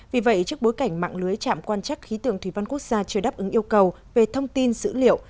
vì vậy trước bối cảnh mạng lưới trạm quan trắc khí tượng thủy văn quốc gia chưa đáp ứng yêu cầu về thông tin dữ liệu